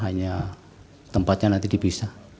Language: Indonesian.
hanya tempatnya nanti dipisah